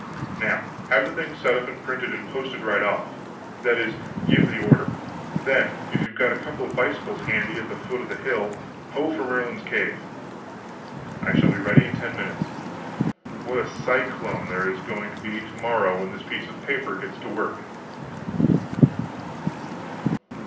Now have the thing set up and printed and posted, right off; that is, give the order; then, if you've got a couple of bicycles handy at the foot of the hill, ho for Merlin's Cave!" "I shall be ready in ten minutes. What a cyclone there is going to be to morrow when this piece of paper gets to work!...